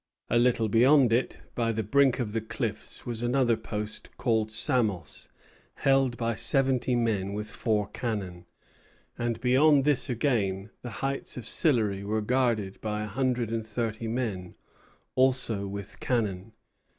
A little beyond it, by the brink of the cliffs, was another post, called Samos, held by seventy men with four cannon; and, beyond this again, the heights of Sillery were guarded by a hundred and thirty men, also with cannon.